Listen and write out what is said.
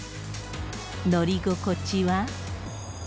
乗り心地は。